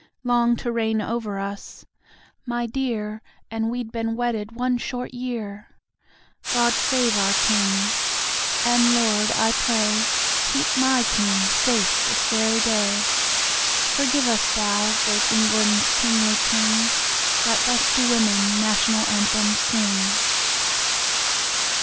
LONG TO REIGN OVER US. (My dear! And we'd been wedded one short year!) GOD SAVE OUR KING. (And Lord, I pray Keep MY King safe this very day.) Forgive us, thou great England's kingly King That thus do women National Anthems sing.